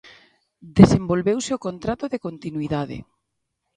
Desenvolveuse o contrato de continuidade.